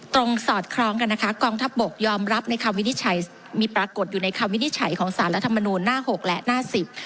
สอดคล้องกันนะคะกองทัพบกยอมรับในคำวินิจฉัยมีปรากฏอยู่ในคำวินิจฉัยของสารรัฐมนูลหน้าหกและหน้าสิบ